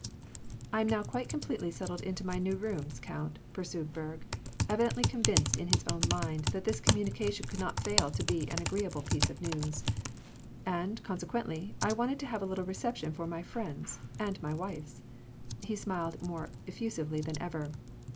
"I am now quite completely settled in my new rooms, count," pursued Berg, evidently convinced in his own mind that this communication could not fail to be an agreeable piece of news. " And, consequently, I wanted to have a little reception for my friends and my wife^s." He smiled more effusively than ever.